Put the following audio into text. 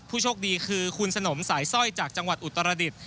โชคดีคือคุณสนมสายสร้อยจากจังหวัดอุตรดิษฐ